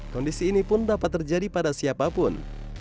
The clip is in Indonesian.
kondisi ini pun dapat terjadi pada siapapun